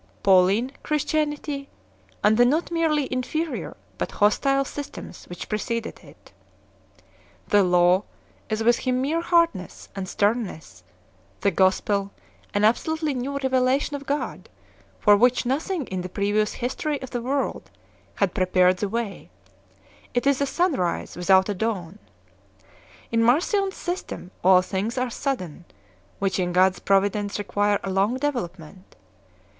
Pauline Chris tianity, and the not merely inferior but hostile systems which preceded it. "The Law" is with him mere hardness and sternness, "the Gospel" an absolutely new revelation _of God, for which nothing in the previous history of the world had prepared the way; it is a sunrise without a dawn. In Marcion s system all things are sudden, which in God s providence require a long development.